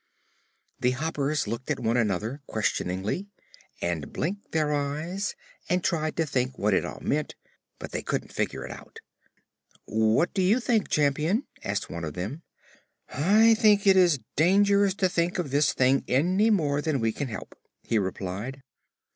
The Hoppers looked at one another questioningly and blinked their eyes and tried to think what it all meant; but they couldn't figure it out. "What do you think, Champion?" asked one of them. "I think it is dangerous to think of this thing any more than we can help," he replied.